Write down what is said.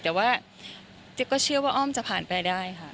แต่ว่าเจ๊ก็เชื่อว่าอ้อมจะผ่านไปได้ค่ะ